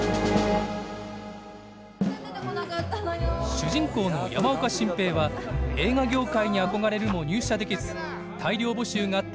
主人公の山岡進平は映画業界に憧れるも入社できず大量募集があった